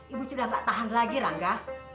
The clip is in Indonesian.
ibu sudah gak tahan lagi rangga